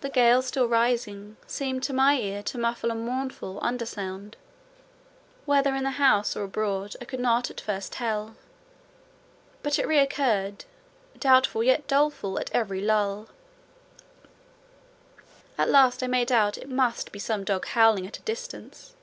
The gale still rising, seemed to my ear to muffle a mournful under sound; whether in the house or abroad I could not at first tell, but it recurred, doubtful yet doleful at every lull; at last I made out it must be some dog howling at a distance.